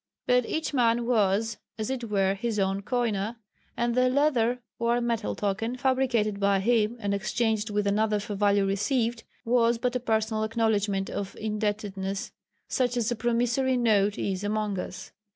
But each man was as it were his own coiner, and the leather or metal token fabricated by him, and exchanged with another for value received, was but a personal acknowledgment of indebtedness, such as a promissory note is among us.